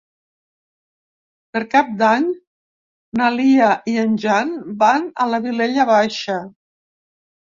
Per Cap d'Any na Lia i en Jan van a la Vilella Baixa.